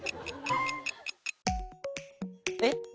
えっ？